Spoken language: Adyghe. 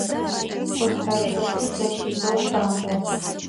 Къушъхьэ шыгур зэщизэу шъуамбгъо.